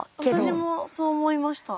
私もそう思いました。